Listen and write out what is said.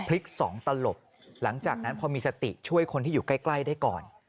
พลิกสองตลบหลังจากนั้นพอมีสติช่วยคนที่อยู่ใกล้ได้ก่อน